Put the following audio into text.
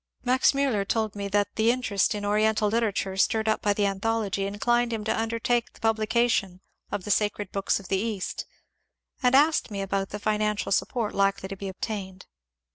Max Miiller told me that the interest in Oriental literature stirred up by the anthology inclined him to undertake the publi cation of the " Sacred Books of the East," and asked me about the financial support likely to be obtained.